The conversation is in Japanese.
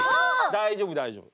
大丈夫大丈夫。